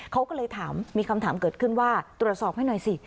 เขาก็เลยถามมีคำถามเกิดขึ้นว่าตรวจสอบให้หน่อยสิ